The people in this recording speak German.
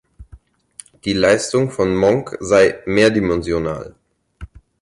Die Leistung von Monk sei „mehrdimensional“.